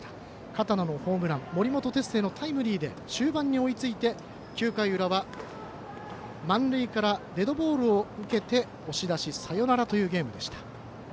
片野のホームラン、森本哲星のタイムリーで、終盤に追いついて９回の裏は満塁からデッドボールを受けて、押し出しサヨナラというゲーム。